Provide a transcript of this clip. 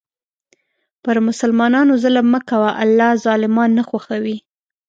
پر مسلمانانو ظلم مه کوه، الله ظالمان نه خوښوي.